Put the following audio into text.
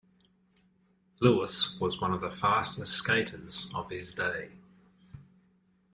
Lewis was one of the fastest skaters of his day.